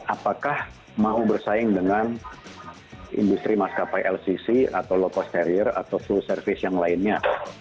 apakah mau bersaing dengan industri maskapai lcc atau low cost carrier atau full service yang lainnya